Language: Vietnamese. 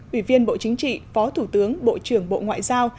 ủy viên bộ chính trị phó thủ tướng bộ trưởng bộ ngoại giao